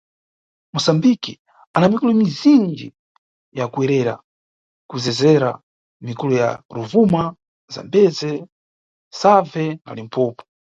Moçambique ana mikulo mizinji ya kuyerera, kuyezezera mikulo ya Rovuma, Zambeze, Save na Limpompo.